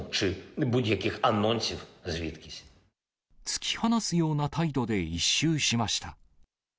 突き放すような態度で一蹴しました。